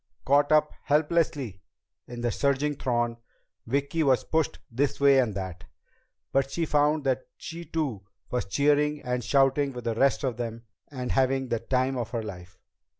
Caught up helplessly in the surging throng, Vicki was pushed this way and that. But she found that she too was cheering and shouting with the rest of them and having the time of her life.